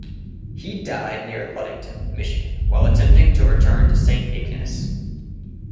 He died near Ludington, Michigan while attempting to return to Saint Ignace.